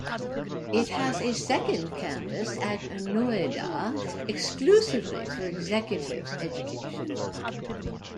It has a second campus at Noida exclusively for executive education.